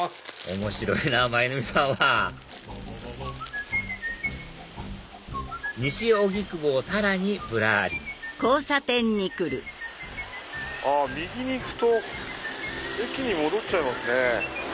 面白いなぁ舞の海さんは西荻窪をさらにぶらり右に行くと駅に戻っちゃいますね。